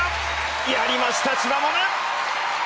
やりました千葉百音！